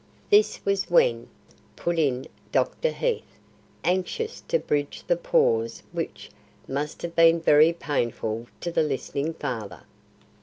"This was when?" put in Dr. Heath, anxious to bridge the pause which must have been very painful to the listening father.